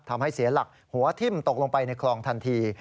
ทำให้เสียหลักหัวทิ้มตกลงไปในคลองทันที